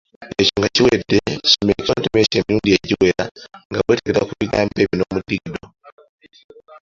Ekyo nga kiwedde, soma ekitontome kyo emirundi egiwera nga wetegereza ku bigambo byo n’omudigido.